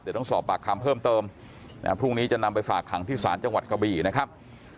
เดี๋ยวต้องสอบปากคำเพิ่มเติมพรุ่งนี้จะนำไปฝากขังที่ศาลจังหวัดกะบี่นะครับ